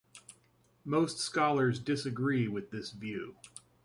Most scholars disagree with this view.